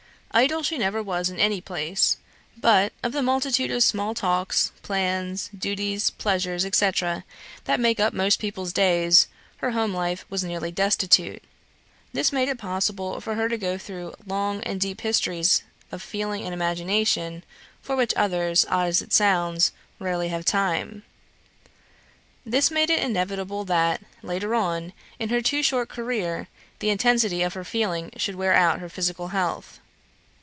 Idle she never was in any place, but of the multitude of small talks, plans, duties, pleasures, &c., that make up most people's days, her home life was nearly destitute. This made it possible for her to go through long and deep histories of feeling and imagination, for which others, odd as it sounds, have rarely time. This made it inevitable that later on, in her too short career the intensity of her feeling should wear out her physical health.